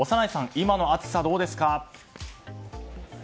今の暑さ、どうですか？